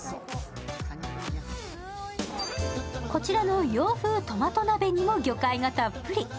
こちらの洋風トマト鍋にも魚介がたっぷり。